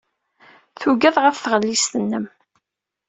Tuggad ɣef tɣellist-nnem.